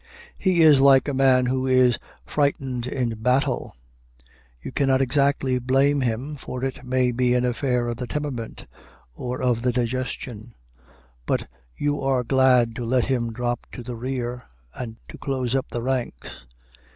He is like a man who is frightened in battle: you cannot exactly blame him, for it may be an affair of the temperament or of the digestion; but you are glad to let him drop to the rear, and to close up the ranks.